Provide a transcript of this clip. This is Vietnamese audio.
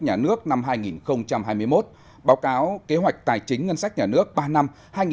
nhà nước năm hai nghìn hai mươi một báo cáo kế hoạch tài chính ngân sách nhà nước ba năm hai nghìn một mươi một hai nghìn hai mươi